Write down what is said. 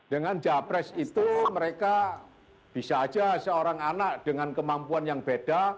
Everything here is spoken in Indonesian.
dengan capres itu mereka bisa aja seorang anak dengan kemampuan yang beda